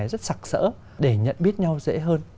rất sặc sỡ để nhận biết nhau dễ hơn